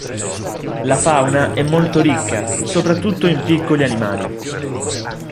La fauna è molto ricca, soprattutto in piccoli animali.